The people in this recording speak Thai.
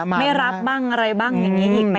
ไม่รับบ้างอะไรบ้างอย่างนี้อีก